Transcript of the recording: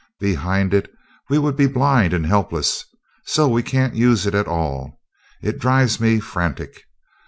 Behind it, we would be blind and helpless, so we can't use it at all. It drives me frantic!